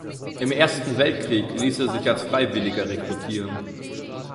Im Ersten Weltkrieg ließ er sich als Freiwilliger rekrutieren.